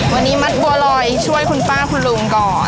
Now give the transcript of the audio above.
วันนี้มัดบัวลอยช่วยคุณป้าคุณลุงก่อน